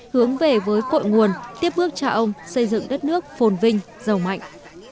hướng về với cội nguồn tiếp bước cha ông xây dựng đất nước phồn vinh giàu mạnh